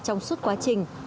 trong suốt quá trình